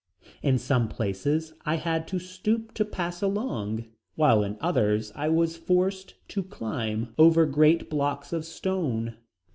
In some places I had to stoop to pass along, while in others I was forced to climb over great blocks of stone.